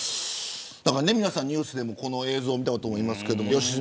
皆さんニュースでもこの映像見たと思います。